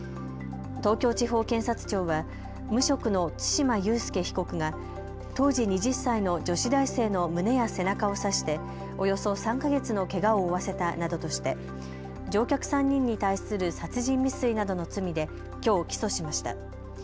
東京地方検察庁は無職の對馬悠介被告が当時２０歳の女子大生の胸や背中を刺して、およそ３か月のけがを負わせたなどとして乗客３人に対する殺人未遂などの罪できょう起訴しました。